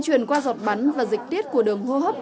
chuyển qua giọt bắn và dịch tiết của đường hô hấp